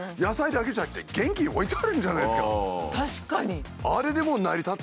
確かに！